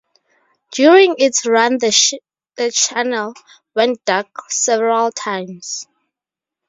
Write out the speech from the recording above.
During its run the channel "went dark" several times.